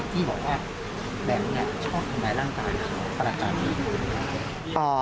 พี่นิกรี้บอกว่าแบงค์ชอบทำเนี้ยร่างการ